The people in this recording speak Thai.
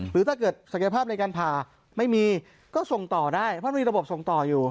หรือถ้าเกิดศักยภาพในการผ่าไม่มีก็ส่งต่อได้เพราะมีระบบส่งต่ออยู่